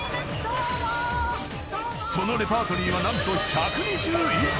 ［そのレパートリーは何と１２０以上！］